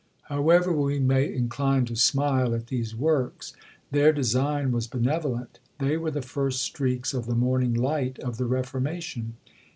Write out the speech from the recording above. However we may incline to smile at these works, their design was benevolent. They were the first streaks of the morning light of the Reformation.